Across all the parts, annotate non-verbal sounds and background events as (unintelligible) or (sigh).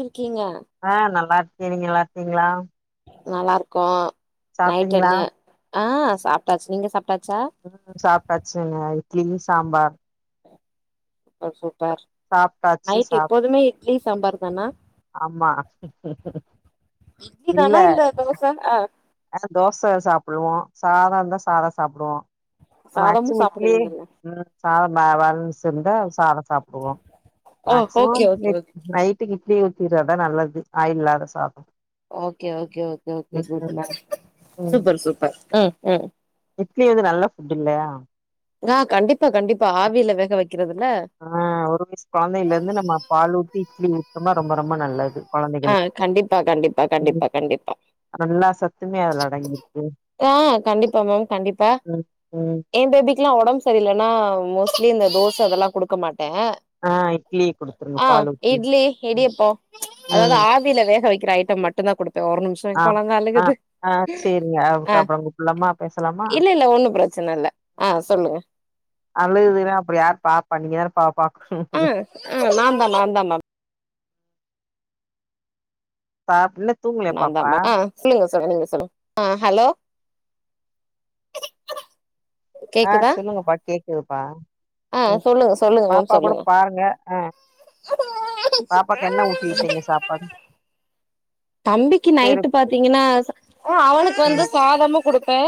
எப்டி இருக்கீங்க ஆ நல்லா இருக்கே நீங்க நல்லா இருக்கீங்களா நல்லா இருக்கோ நைட்டு சாப்ட்டீங்களா என்ன ஆ சாப்ட்டாச்சு நீங்களும் சாப்ட்டாச்சா ம் சாப்பிட்டாச்சுங்க இட்லி சாம்பார் சூப்பர் சாப்ட்டாச்சு நைட் சாப் எப்போதுமே இட்லி சாம்பார் தானா ஆமா இட்லி தானா இல்ல தோச அ ஆ தோச சாப்டுவோம் சாதம் இருந்தா சாதம் சாப்டுவோம் சாதமு மேக்சிமம் இட்லி சாப்டுவீங்கல்ல ம் சாதம் (unintelligible) இருந்தா சாதம் சாப்டுவோம் ஓ மேக்சிமம் ஓகே ஓகே ஓகே நைட்டுக்கு இட்லி ஊத்திறதுதான் நல்லது ஆயில் இல்லாத சா okay okay okay okay super ம் சூப்பர் சூப்பர் ம் ம் இட்லி வந்து நல்ல ஃபுட் இல்லயா ஆ கண்டிப்பா கண்டிப்பா ஆவியில வேக வைக்கிறதுல்ல ஆ ஒரு வயசு கொழந்தையில இருந்து நம்ம பால் ஊத்தி இட்லி ஊட்னோம்னா ரொம்ப ரொம்ப நல்லது ஆ கொழந்தைகளுக்கு கண்டிப்பா கண்டிப்பா கண்டிப்பா கண்டிப்பா நல்லா சத்துமே அதுல அடங்கிருக்கு ஆ கண்டிப்பா மேம் கண்டிப்பா ம் ம் என் பேபிக்கெல்லா உடம்பு சரி சரியிலன்னா மோஸ்ட்லி இந்த தோச அதெல்லா குடுக்க மாட்ட ஆ இட்லிய குடுத்துருங்க ஆ பால் ஊத்தி இட்லி ம் இடியாப்போ அதாவது ம். ஆவியில வேக வைக்கிற ஐட்டம் மட்டும் தான் குடுப்ப ஒரு நிமிஷம் ஏ ஆ கொழந்த ஆ அழுகுது ஆ சேரிங்க ஆ அதுக்கப்புறம் கூப்புட்லாமா பேசலாமா இல்ல இல்ல ஒன்னு பிரச்சன இல்ல ஆ சொல்லுங்க அழுகுதுன்னா அப்டி யார் பாப்பா நீங்கதான பா பாக்குணு ம் ம் நாந்தா நாந்தா மேம் பா பிள்ளக் நாந்தா மேம் ஆ சொல்லுங்க சொல்லுங்க நீங்க சொல்லுங் ஆ ஹலோ ஆ கேக்குதா சொல்லுங்கப்பா கேக்குதுப்பா ஆ ம் சொல்லுங்க சொல்லுங்க மேம் பாப்பா கூட சொல்லுங்க பாருங்க அ பாப்பாக்கு என்ன ஊட்டி விட்டீங்க சாப்பாடு தம்பிக்கு சரி நைட்டு பாத்தீங்கன்னா அவளுக்கு ம் வந்து சாதமு குடுப்பே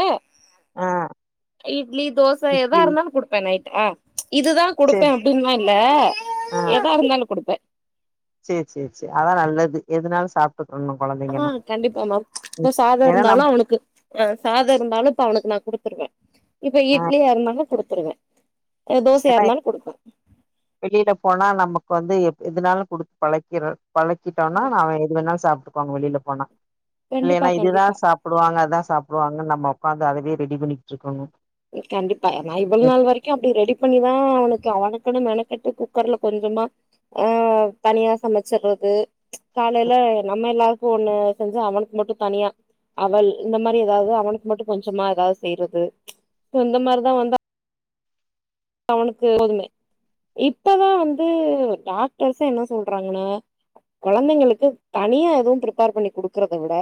ஆ இட்லி தோச எதா இட்லி இருந்தாலு குடுப்பே நைட் ஆ இதுதா குடுப்பே சரி அப்டின்தா இல்ல ஆ எதா இருந்தாலு குடுப்பே சேரி சேரி சேரி அதா நல்லது எதுனாலு சாப்பிட்டுக்குணு ஆ கண்டிப்பா மேம் இப்ப சாதோ ஏன்னா இருந்தாலு நம் அவனுக்கு அ சாதோ இருந்தாலு இப்ப அவனுக்கு நா குடுத்துருவே இப்ப ஆ இட்லியா இருந்தாலு குடுத்துருவே தோசையா ஏன்னா இருந்தாலு குடுப்பே வெளியில போனா நமக்கு வந்து எதுனாலு குடுத்து பழக்கிறனு பழக்கிட்டோனா நா எது வேணாலு வெளியில்ல போனா கண்டிப்பா இல்லையினா இதுதா கண்டிப்பா சாப் சாப்டுவாங்க அதா சாப்டுவாங்க நம்ம உக்காந்து அதவே ரெடி பண்ணிக்கிட்டு இருக்குனு கண்டிப்பா நா இவ்ளோ நாள் வரைக்கு அப்டி ரெடி பண்ணிதா அவனுக்கு அவனுக்குணு மெனக்கட்டு குக்கர்ல கொஞ்சமா ஆ தனியா சமைச்சிறது காலையில நம்ம எல்லா த்துக்கு ஒண்ணு செஞ்சா அவனுக்கு மட்டு தனியா அவள் இந்த மாதிரி எதாவுது அவனுக்கு மட்டு கொஞ்சமா எதாவுது செய்றது இந்த மாதிரிதா வந்து அவனுக்கு கோதுமை இப்பதா வந்து டாக்டர்ஸே என்ன சொல்றாங்கன்னா கொழந்தைங்களுக்கு தனியா எதுவு பிப்பேர் பண்ணி குடுக்கறத விட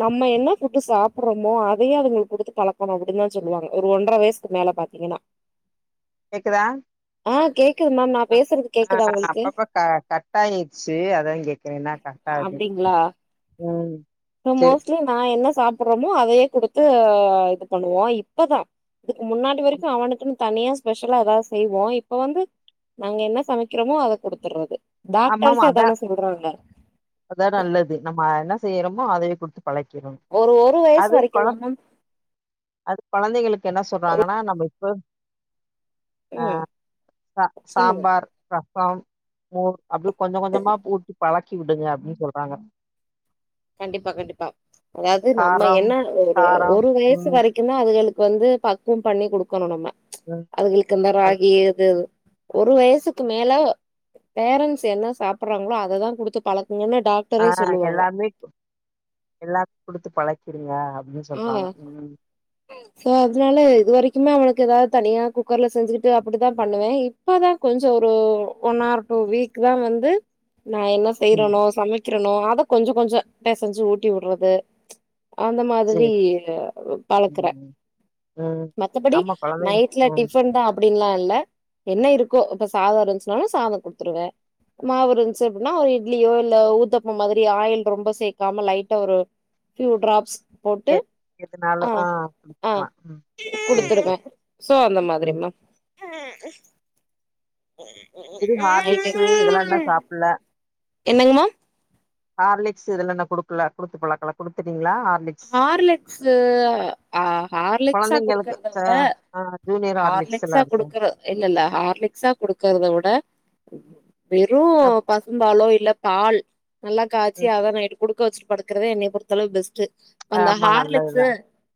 நம்ம என்ன ஃபுட் சாப்பிறமோ அதையே அதுங்களுக்கு குடுத்து பழக்குணு அப்டின்னுதா சொல்லுவாங்க ஒரு ஒன்ற வயசு க்கு மேல பாத்தீங்கன்னா கேக்குதா ஆ கேக்குது மேம் நா பேசுறது ஆ கேக்குதா உங்களுக்கு அப்பெப்ப க கட் ஆயிடுச்சு அதா கேட் இல்லினா கட்டாது அப்டிங்களா ம் சோ சேரி மோஸ்ட்லி நா என்ன சாப்பிடுறமோ அதையே குடுத்து இது பண்ணுவோ இப்பதா இதுக்கு முன்னாடி வரைக்கு அவனுக்குன்னு தனியா ஸ்பெஷலா எதாவுது செய்வோ இப்ப வந்து நாங்க என்ன சமைக்கிறோமோ அதை குடுத்துறது ஆம் மேம் அதா அதா நல்லது நம்ம என்ன செய்றோமோ அதையே குடுத்து பழக்கிறு ஒரு ஒரு வயசு அது கொழ வரைக்குந்தா மேம் அது கொழந்தைங்களுக்கு என்ன சொல்றாங்கன்னா நம்ம இப்போ அ ம் ச சொல்லுங்க சாம்பார் ரசம் மோர் அப்டி கொஞ்சோ கொஞ்சமா பூட்டி பழக்கி விடுங்க அப்டின்னு சொல்றாங்க கண்டிப்பா கண்டிப்பா அதாவுது நம்ம காரம் என்ன ஒரு காரம் ஒரு வயசு ம் வரைக் குமே அதுகளுக்கு வந்து பக்குவோ பண்ணி குடுக்கணு நம்ம (unintelligible) அதுகளுக்கு இந்த ராகி அது இது ஒரு வயசுக்கு மேல பேரண்ட்ஸ் என்ன சாப்பிறாங்களோ அதைதா குடுத்து பழக்குங்கனு டாக்டர் ஆ எல்லாமே எல்லா குடுத்து பழக்கிடுங்க அப்டின்னு ஆ சொல்றாங்க ம் சோ அதனால இது வரைக்குமே அவனுக்கு எதாவுது தனியா குக்கர்ல செஞ்சுக்கிட்டு அப்டித்தா பண்ணுவே இப் இப்பதா கொஞ்சோ ஒரு ஒன் ஆர் டூ வீக் தா வந்து நா என்ன ம் செய்றனோ சமைக் கிறனோ அத கொஞ்சொ கொஞ்ச பெசஞ்சு ஊட்டி விட்றது அந்த மா ரி சேரி பழக்குறே ம் ம் மத்தபடி ஆமா கொழந்தைங்க நைட்ல ம் டிஃபன் தா அ ப்புடின்லா இல்ல என்ன இருக்கோ இப்ப சாத இருன்ச்சுனாலு சாத குடுத்துருவே மாவு இருந்ச்சு அப்டின்னா ஒரு இட்லியோ இல்ல ஊத்தப்பம் மாதிரி ஆயில் ரொம்ப சேக்காம லைட்டா ஒரு ஃபியூ டிராப்ஸ் போட்டு எ எதுனாலு ஆ ஆ குடுத்துக்கலா ம் சேரி குடுத்துருவே சேரி சோ அந்த ம் மாதிரிமா நைட்டு இது ஹார்லிக்ஸு இதெல்லா இன்னு சாப்புட்ல என்னங்கமா ஹார்லிக்ஸ் இதெல்லா நா குடுக்கல குடுத்து பழக்கல குடுத்துட்டீங்ளா ஹார் ஹார்லெக்ஸு ஆ ஹார்லிக்ஸா கொழந்தைங்களுக்கு குடுக்கற்த ச விட ஆ ஜூனியர் ஹார்லிக்ஸ் எல்லா ஹார்லிக்ஸா இருக்கு குடுக்குற இல்லெல்ல ஹார்லிக்ஸா குடுக்கறத விட வெறு அப்- ப சும்பாலோ இல்ல பால் நல்லா காச்சி ம் அத நைட்டு குடுக்க வச்சுட் படுக்குறதே என்னய பொறுத்தளவு பெஸ்ட்டு அந்த ஆமா நல்லதுதா ஹார்லிக்ஸு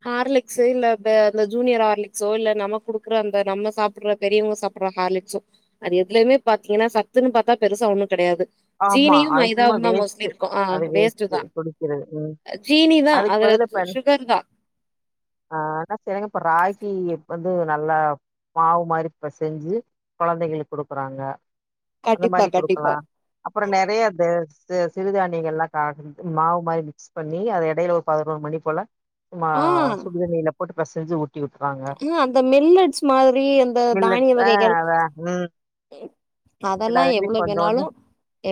ஹார்லிக்ஸு இல்ல பே அந்த ஜூனியர்ஹார்லிக்ஸோ இல்ல நமக் குடுக்குற அந்த நம்ம சாப்புட்ற பெரியவ்ங்க சா ப்புற ஹார்லிக்ஸோ அது எதுலயுமே பாத்தீங்கனா சத்துன்னு பாத்தா பெருசா ஒன்னு கெடயாது ஆமா ஜீனியு அது சும்மா மைதாவுந் தா மோஸ்ட்லி வேஸ்ட்டு இருக்கு ஆ அது வேஸ்ட்டு தா அ ஜீனிதா பதுலப்பாரு ஆ ஆன செரிங்க இப்ப ராகி இப் வந்து நல்லா மாவு மாரிப் பெசஞ்சு கொழந்தைகளுக் குடுக்குறாங்க அந்த கண்டிப்பா மாரி கண்டிப்பா குடுக்கலா அப்பறொ நெறைய தே செ சிறுதானியங்கள்லா காட்டி மாவு மாரி மிக்ஸ் பண்ணி அத எடைல ஒரு பதினோரு மணி போல மா ஆ சுடு தண்ணில போட்டுப் பெசஞ்சு ஊட் ஆ அந்த மில்லெட்ஸ் மாரி அந்த மில்லட் தானிய ஆ வகைகள் அதா ம் அதல்லா எல்லாருமே எவ்ளோ கொஞ்சோ வேணாலு கொஞ்சோ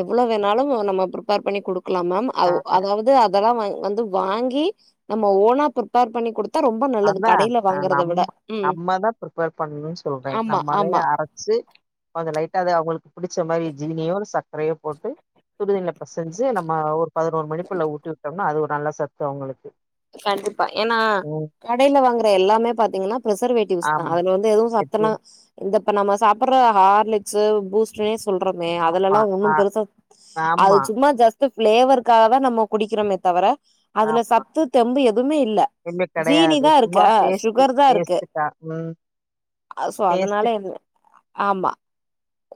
எவ்ளோ வேணாலும் நம்ம ப்ரிப்பேர் பண்ணி குடுக்கலா மேம் ஆ அவ் அதாவது அதல்லா வ வந்து வாங்கி நம்ம ஓனா ப்ரிப்பேர் பண்ணி குடுத்தா ரொம்ப நல்லது கடைல வாங்க நம் நம்ம தா ப்ரிப்பேர் பண்ணுன் சொல்றே ஆமா நம்மளே ஆமா அர ச்சு கொஞ்ச லைட்டா அது அவுங்களுக் புடுச்ச மாரி ஜீனியோ இல்ல சக்கரையோ போட்டு சுடுதண்ல பெசஞ்சு நம்ம ஒரு பதினோரு மணிக்குள்ள ஊட்டி விட்டோம்னா அது ஒரு நல்ல சத்து அவுங்களுக்கு கண்டிப்பா ஏன்னா கடைல வாங்குற எல்லாமே பாத்தீங்கன்னா பிரிசர்வே ட்டிவ்ஸ்தா ஆமா அதுல வந்து எதுவு எது சத்துல்லா இந்தப்ப நம்ம சாப்புர்ற ஹார்லிக்ஸு பூஸ் ட்டுனே சொல்றமே ஆமா அதுலல்லா ஆ ஒன்னும் பெருசா அது ஆமா சும்மா ஜஸ் ட்டு ஃபிளேவர்க்காக தா நம்ம குடிக்கிறோமே தவிர அதுல ஆமா சத்து தெம்பு எதுவ்மே இல்ல எதுமே கெடையாது ஜீனிதா சும்மா இருக்கா டேஸ்ட்டு ஷுகர் தா இருக்கு டேஸ்ட்டுக்கா ம் ஆ சோ அதுனால டேஸ்ட்டுக்கு என்ன ஆமா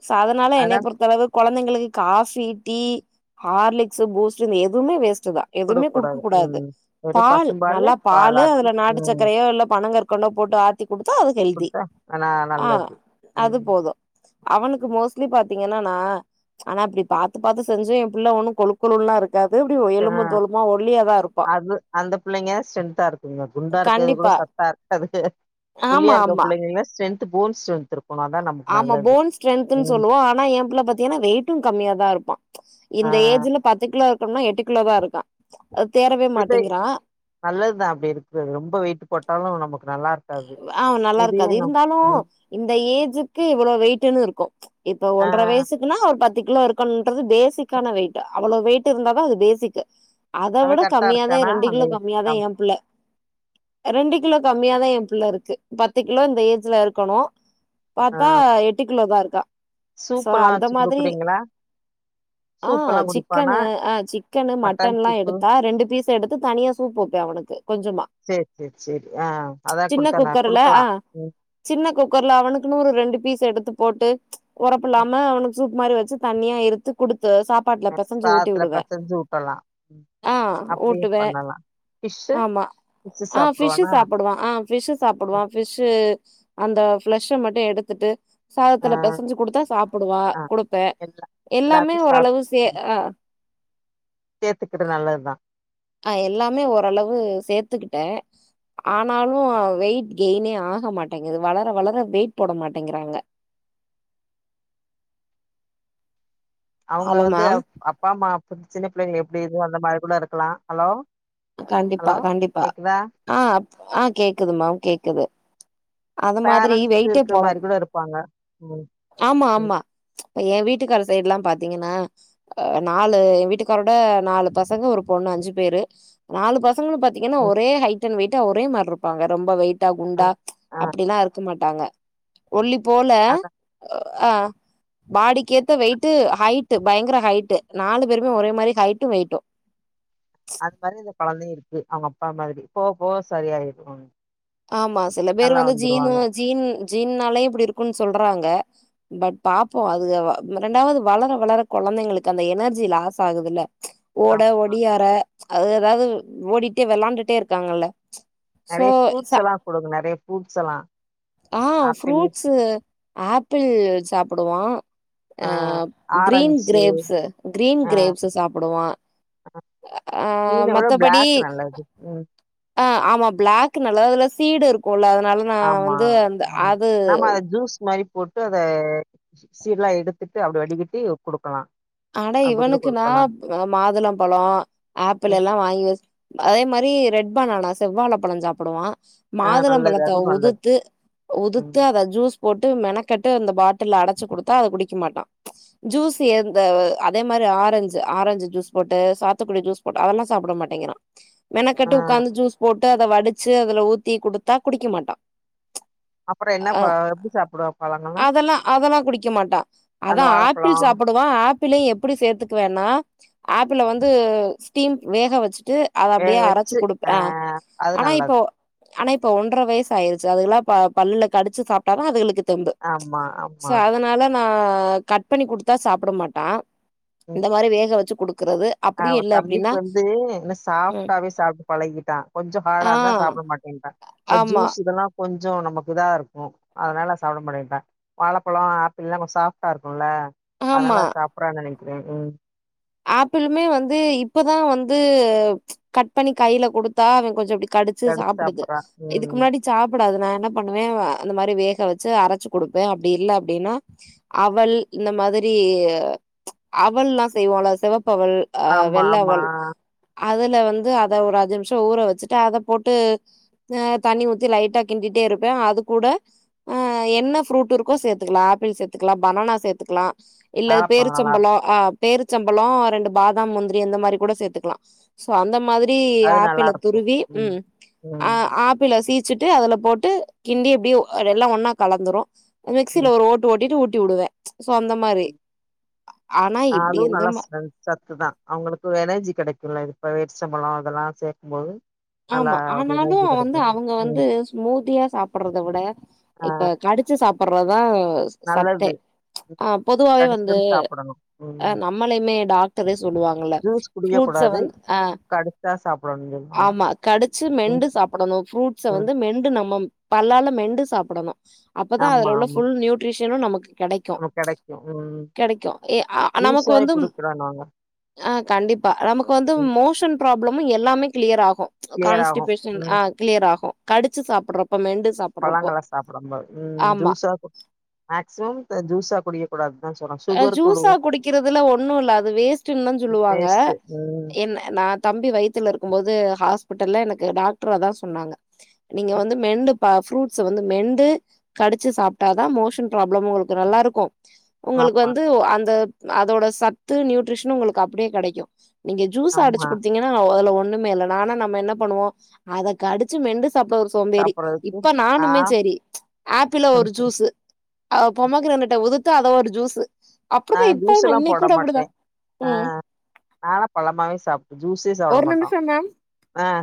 சோ அதனால என்னைய அதா பொறுத்தளவு கொழந்தைங்களுக்கு காஃபி டீ ஹார்லிக்ஸு பூஸ்ட்டு இந்த எதுவ்மே வேஸ்ட்டு தா எதுமே குடுக்க கூடாது ம் வெறு பால் பசும்பாலு நல்லா பாலு பாலாத்தி அதுல நாட்டு ம் சக்கரையோ இல்ல பனங்கற்கண்டோ போட்டு ஆத்தி குடுத்தா அது ஹெல்தி குடுத்தா ஆனா ஆ நல்லது அது ம் போது‌ அவனுக்கு மோஸ்லி பாத்தீங்கனா‌ நா ஆனா அப்டி பாத்து பாத்து செஞ்சு எம் புள்ள ஒன்னு கொழு கொழுன்லா இரு க்காது இப்டி ஆ எலும்பு தோலுமா ஒல்லியா தா இருப்பா அது அந்த புள்ளைங்க ஸ்ரென்த்தா இருக்குங்க குண்டா இருக்கது கூட கண்டிப்பா சத்தா இருக்காதுக ஆமா ஒல்லியா இருக்க ஆமா புள்ளைங்களா ஸ்ட்ரென்த் போன் ஸ்ட்ரென்திருக்கு போனா தா நம்ம ஆமா போன் ஸ்ட்ரென்துன்னு சொல்லுவோ ஆனா ஏபுல்ல பாத்தீங்கன்னா வெயிட்டு கம்மியாதா இருப்பா ஆ இந்த ஏஜ்ல பத்து கிலோ இருக்கும்னா எட்டு கிலோதா இருக்கா அது தேரவே மாட்டேங்கிறா நல்லது தா அப்படி இருக்குருது ரொம்ப வெயிட்டு போட்டாலு நமக்கு நல்லா இருக்க ஆ நல்லா இருக்காது இருந்தாலு இந்த ஏஜக்கு இவ்வளோ வெயிடுன்னு இருக்கு இப்ப ஆ ஒன்றரை வயசுக்குன்னா ஒரு பத்து கிலோ இருக்கு ன்றது பேசிக்கான வெயிட்டு அவ்வளோ வெயிட்டு இருந்ததா அது பேசிக்கு அத அவ விட கரெக்டா கம்மியாதா இருக்கானா ரெண்டு அந்த கிலோ கம்மியாதா கம் ஏப்புல்ல ரெண்டு கிலோ கம்மியாதா எ புள்ள இருக்கு பத்து கிலோ இந்த ஏஜ்ல இருக்கணு ஆ பாத்தா எட்டு கிளோதா இருக்கா சோ சூப்பெல்லா அந்த வச்சு மாதிரி குடுக்குறீங்களா ஆ சூப்பெல்லா குடிப்பானா சிக்கனு ஆ சிக்கனு மட்டன் எல்லா எடுத்தா ரெண்டு பீஸ் எடுத்து தனியா சூப் வப்பே அவனுக்கு கொஞ்சமா செரி செரி செரி ஆ அதா சின்ன குடுத்தன நா குக்கர்ல குடுக்கலா ஆ ம் சின்ன குக்கர்ல அவனுக்குன்னு ஒரு ரெண்டு பீஸ் எடுத்து போட்டு ஒரப்பில்லாம அவனுக்கு சூப் மாரி வச்சு தனியா எடுத்து குடுத்து சாப் சாப்பாட்டுல பெசஞ்சு ஊட்டி சாதத்துல விடுவே பெசஞ்சு ஊட்டலா ஆ அப்டியு ஊட்டுவே பண்ணலா ஃபிஷ்ஷு ஆமா ஃபிஷ்ஷு ஆ ஃபிஷ்ஷு சாப்டுவானா சாப்பிடுவா ஆ ஃபிஷ்ஷு சாப்பிடுவா ஃபிஷ்ஷூ அந்த ஃபளெஷ்ஷ மட்டு எடுத்துட்டு ஆ சாதத்துல பெசஞ்சு குடுத்தா சாப்பிடுவா ஆ குடுப்பே எல்லாமே ஓரளவு சே ஆ சேத்துக்குடு நல்லதுதா அ எல்லாமே ஒரளவு சேத்துக்கிட்டே ஆனாலு வெயிட் கெய்னே ஆக மாட்டேங்குது வளர வளர வெயிட் போட மாட்டேங்கிறாங்க அவங்க ஹலோ வந்து மேம் அப்பா அம்மா சின்ன பிள்ளைங்கள எப்படி இது அந்த மாரி கூட இருக்கலா ஹலோ ஹலோ கண்டிப்பா கண்டிப்பா கேக்குதா ஆ ஆ கேக்குது மேம் கேக்குது அது மாதிரி பேரண்ட்ஸ் வெயிட்டே இருக்க போட மாரி கூட இருப்பாங்க ஆமா ம் ஆமா எ வீட்டுக்காரு சைடு எல்லா பாத்தீங்கன்னா அ நாலு எ வீட்டுக்காரோட நாலு பசங்க ஒரு பொண்ணு அஞ்சு பேரு நாலு பசங்களு பாத்தீங்கன்னா ம் ஒரே ஹைட் அண்ட் வெயிட்டா ஒரே மாரி இருப்பாங்க ரொம்ப வெயிட்டா ஆ குண்டா ஆ அப்படிலா இருக்க மாட்டாங்க ஒல்லி போல அதா ஆ பாடிக்கு ஏத்த வெயிட் ஹைட் பயங்கர ஹைட் நாலு பேருமே ஒரே மாரி ஹைட்டு வெயிட்டு அது மாரி இந்த கொழந்தைங்க இருக்கு அவங்க அப்பா மாதிரி போக போக சரியிடுவாங்க ஆமா சில பேர் வந்து ஜீனு ஜீன் ஜீன்னாலே இப்படி இருக்குன்னு சொல்றாங்க பட் பாப்போ அதுக ரெண்டாவது வளர வளர கொழந்தைங்களுக்கு அந்த எனர்ஜி லாஸ் ஆகுது இல்ல ஓட ஆமா ஓடியார அது ஏதாவது ஓடிட்டே வெளாயிண்டுட்டே இருக்காங்கல்ல சோ நறையா ஃப்ரூட்ஸ் ச எல்லா குடுங்க நறையா ஃரூட்ஸ் எல்லா ஆ ஆப்பிள் ஃப்ரூட்ஸ்சு ஆப்பிள் சாப்பிடுவா அ ஆ green orange grapes green grapes சாப்பிடுவான் கிரீன்ன விட பிளேக் நல்லது உம் அ ஆமா பிளாக் நல்லது அதுல சீடு இருக்கும்ல்ல அதனால நா ஆமா வந்து அந்த ம் அது நம்ம அத ஜூஸ் மாரி போட்டு அத சீட்ல்லா எடுத்துட்டு அப்படி வடிக்கட்டி குடுக்கலா ஆடா அப்படி கூட இவனுக்குன்னா குடுக்கலாம். மாதுளம்பழோ ஆப்பிள் ம். எல்லா வாங்கி வெச்சு அதே மாரி ரெட் பன்னான செவ்வாழ பழோ சாப்பிடுவா ஆ மாதுளம் நல்லது. பழத்த அதுவும் நல்லது. உதுத்து ம். உதுத்து அதை ஜூஸ் போட்டு மெனக்கட்டு அந்த பாட்டில் அடைச்சு குடுத்தா அது குடிக்க மாட்டா ஜூஸ் எந் இந்த அதே மாரி ஆரஞ்சு ஆரஞ்சு ஜூஸ் போட்டு சாத்துக்குடி ஜூஸ் போட்டு அதெல்லா சாப்புட மாட்டேங்கிறா ஆ மெனக்கட்டு உக்காந்து ஜூஸ் போட்டு அத வடுச்சு அதுல ஊத்தி குடுத்தா குடிக்க மாட்டா அப்புறம் என்ன ம்ச் அ ப எப்படி சாப்பிடுவா பழங்கள்லாம்? அதெல்லா அதெல்லா குடிக்க மாட்டா அந்த அதா ஏப்பிள் வாழைப்பழம் சாப்பட ப்டுவா ஏப்பிளே எப்புடி சேத்துக்குவேனா ஏப்பிள வந்து ஸ்டீம் வேக வெச்சுட்டு அத வேக அப்டியே அரச்சு வச்சு குடுப்ப ஆ அது ஆனா இப்போ நல்லது. ஆனா இப்ப ஒன்ற வயிசு ஆயிருச்சு அதுகல்லா பா பல்லுல கடுச்சு சாப் டாதா அதுக்குளுக்கு தெம்பு ஆமா, சோ ஆமா. அதனால நா கட் பண்ணி குடுத்தா சாப்புட மாட் டா இந்த மாரி வேக வெச்சு குடுக்கறது ஆ ஒரு தம்பிக் வந்து இன்னு ம் சாஃப்ட்டாவே சாப்டு பழகிட்டா கொஞ்சோ ஹாடா ஆ இருந்தா சாப்புட மாட்டேன்றா இந்த ஆமா ஜூஸ் இதெல்லா கொஞ்சோ நமக்கு இதா இருக்கு அதுனால சாப்புட மாட்டேன்டா வாழப்பழோ ஏப்பிள் எல்லா கொஞ்சோ சாஃப்டா இருக்குல்ல ஆமா அதனால சாப்புறான் நெனைக்கிற ம் ஏப்பிளுமே வந்து இப்பதா வந்து கட் பண்ணி கைல குடுத்தா அவே கொஞ்சோ அப்டி கடுச்சு கடிச்சு சாப்புடுது சாப்பிடுறான். இதுக்கு ம். முன்னாடி சாப்புடாது நா என்ன பண்ணுவே அந்த மாரி வேக வெச்சு அரச்சு குடுப்பே அப்டி இல்ல அப்டின்னா அவள் இந்த மாதிரி அவள்ளாஸ் செய்வாளோ செவப்பவுல் அ ஆமா, வெள்ள ஆமா. அவள் அதுல வந்து அத ஒரு அஞ்சு நிம்ஷோ ஊற வெச்சுட்டு அத போட்டு ஆ தண்ணி ஊத்தி லைட்டா கிண்டிட்டே இருப்ப அது கூட ஆ என்ன ஃப்ரூட் இருக்கோ சேத்துக்கலா ஆப்பிள் சேத்துக்கலா பனானா சேத்துக்கலா இல்ல வாழைப்பழம் நல்லா பேருச்சம்பழோ ஆஹ் பேருச்சம்பழோ ரெண்டு பாதாம் முந்திரி அந்த மாரி கூட சேத்துக்கலா சோ அந்த மாதிரி அது நல்லா ஆப்பிள இருக்கு துருவி ம் ஆ ம் ஆப்பிள சீ வெச்சுட்டு அதுல போட்டு கிண்டி எப்டியு அது எல்லா ஒன்னா கலந்துரு மிக்சில ம் ஒரு ஓட் ஓட்டு ஓட்டிட்டு ஊட்டி உடுவ சோ அந்தம் ஆ அதுவு எந்த நல்லாஸ் மா ஸ்ரென்த் சத்து தா அவங்களுக்கு எனர்ஜி கெடைக்குல்ல இப்ப வேர்ச்சம்பழோ அதெல்லா சேக்கும் போது ஆமா ஆனாலு வந்து அவங்க வந்து ஸ்மூதியா சாப்புடுறத விட ஆ இப்ப கடுச்சு சாப்புடுறதாஸ் நல்லது அ பொதுவாவே கடிச்சு வந்து கடிச்சு சாப்படணு அ ம் நம்மளையுமே டாக்டரே சொல்லுவாங்கள்ல ஃப்ரூட்ஸ வந்து ஆ கடுச்சா சாப்புடனுன் சொல்லுவாங்க ஆமா கடிச்சு ம் மெண்டு சாப்புடணு ஃப்ரூட்ஸ ம் வந்து மெண்டு நம்ம பல்லால மெண்டு சாப்புடணு அப்பதா ஆமா அது உள்ள ஆமா ஃபுல் நியூட்ரிஷனு நமக்கு கெடைக் க்கு நமக்கு ம்ச் கெடைக்கு ம் கெடைக்கு ஏ ஆ நமக்கு ஜூஸாவே வந்தும் குடிக்கலானுவாங்க ஆ கண்டிப்பா நமக்கு வந்து மோஷன் புராபுளமு எல்லாமே கிளியர் ஆகு கிளியர் ஆகு கான்ஸ்டிபேஷன் ஆ கிளியர் ஆகு கடுச்சு சாப்புடறப்போ மெண்டு சாப் பழங்கள சாப்படம் போது ம் ஜூஸா மேக்சிமம் ஜூஸா குடிய அ ஜூஸா குடிக்கிறதுல ஒண்ணு இல்ல அது வேஸ்டுன்தா சொல்லுவாங்க வேஸ்ட்டு ம் என்ன நா தம்பி வயித்துல இருக்கும் போது ஹாஸ்பிட்டல்ல எனக்கு டாக்டராதா சொன்னாங்க நீங்க வந்து மெண்டு பா ஃப்ரூட்ஸ்ஸ வந்து மெண்டு கடுச்சு சாப்டாதா மோஷன் ப்ராப்ளம் உங்களுக்கு நல்லாருக்கு உங்களுக்கு ஆமா, வந்து அந்த அதோட சத்து நியூட்ரிஷனு உங்களுக்கு அப்டியே கெடைக்கு நீங்க ஜூஸ் அடுச்சு ஆமா. குடுத்தீங்க ங்கன்னா அதுல ஒண்ணுமே இல்ல ஆனா நம்ம என்ன பண்ணுவோ அத கடுச்சு மெண்டு சாப்புட ஒருஸ் சோம்பேரி சாப்பிடுறதுக்கு இப்ப நானுமே நான் சேரி ஏப்பிள ஒரு ஜூஸு ஆ பொமகிரானேட்ட உதுது அத ஒரு ஜூசு அப்படிதா நான் ஜூஸ் இப்பண இன்னை கூட அப்படிதா உம் நான பழமாவே சாப்பிட்டு ஜூஸே சாப்பிட ஒரு மாட்டோ நிமிஷோ மேம் ஆ